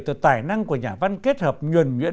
từ tài năng của nhà văn kết hợp nhuẩn nhuyễn